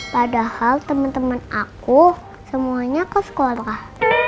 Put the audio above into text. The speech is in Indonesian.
padahal temen temen aku semuanya ke sekolah